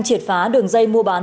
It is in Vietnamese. chiệt phá đường dây mua bán